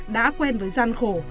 đã quen với gian khổ